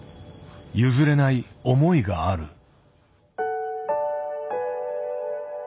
譲れない思いがある。